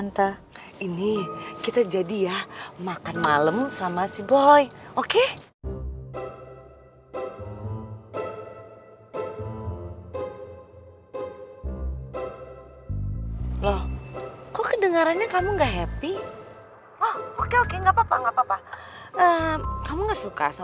maksudnya adriana itu atu apa